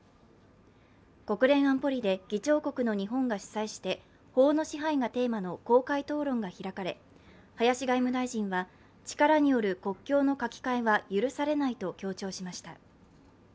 国連安保理で議長国の日本が主催して法の支配がテーマの公開討論が開かれ林外務大臣は、力による国境の書き換えは許されないと強調しました。